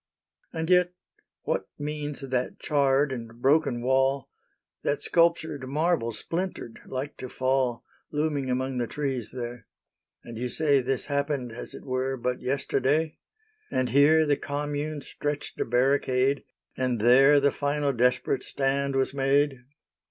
And yet what means that charred and broken wall, That sculptured marble, splintered, like to fall, Looming among the trees there? ... And you say This happened, as it were, but yesterday? And here the Commune stretched a barricade, And there the final desperate stand was made?